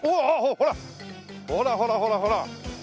ほらほらほらほら！